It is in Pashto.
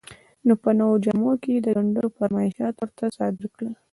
په نویو جامو کې یې د ګنډلو فرمایشات ورته صادر کړل.